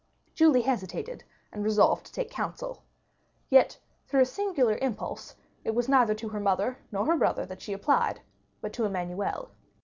Julie hesitated, and resolved to take counsel. Yet, through a singular impulse, it was neither to her mother nor her brother that she applied, but to Emmanuel.